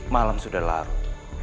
malam sudah larut